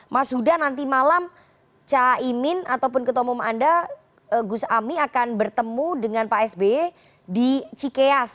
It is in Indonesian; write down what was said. mas huda nanti malam caimin ataupun ketua umum anda gus ami akan bertemu dengan pak sbe di cikeas